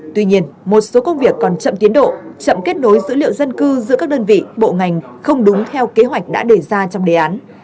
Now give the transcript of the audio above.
tuy nhiên một số công việc còn chậm tiến độ chậm kết nối dữ liệu dân cư giữa các đơn vị bộ ngành không đúng theo kế hoạch đã đề ra trong đề án